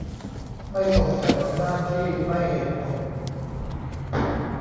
ไม่ส่งเสริม อำนาจที่ไม่เหตุผล